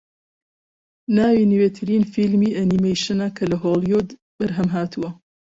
ناوی نوێترین فیلمی ئەنیمەیشنە کە لە هۆلیوود بەرهەمهاتووە